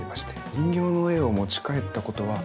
人形の絵を持ち帰ったことはないですか？